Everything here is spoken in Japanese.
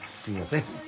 すいません。